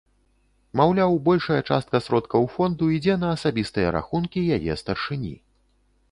Маўляў, большая частка сродкаў фонду ідзе на асабістыя рахункі яе старшыні.